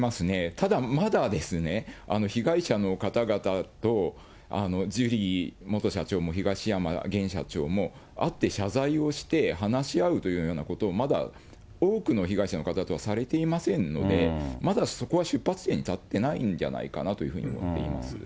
ただ、まだですね、被害者の方々とジュリー元社長も、東山現社長も、会って謝罪をして話し合うというようなことを、まだ多くの被害者の方とはされていませんので、まだそこは出発点に立ってないんじゃないかなと思っています。